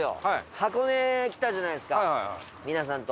箱根来たじゃないですか皆さんと。